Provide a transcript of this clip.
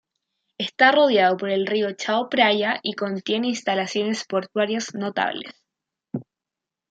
Está bordeado por el Río Chao Phraya y contiene instalaciones portuarias notables.